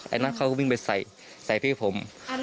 ไอ้น็อตเขาก็วิ่งไปใส่ใส่พี่ผม